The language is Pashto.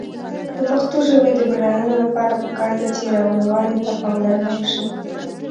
د پښتو ژبې د بډاینې لپاره پکار ده چې روانوالي ته پاملرنه وشي.